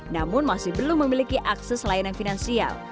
namun masih belum memiliki akses layanan finansial